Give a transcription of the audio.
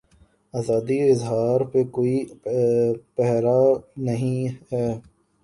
آزادیء اظہارپہ کوئی پہرا نہیں ہے۔